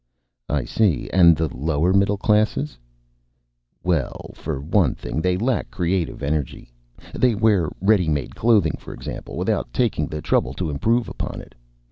"I see. And the lower middle classes?" "Well, for one thing they lack creative energy. They wear ready made clothing, for example, without taking the trouble to improve upon it.